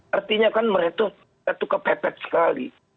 artinya kan mereka tuh kepepet sekali